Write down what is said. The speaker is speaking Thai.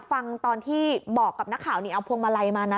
ฟังตอนที่บอกกับนักข่าวนี่เอาพวงมาลัยมานะ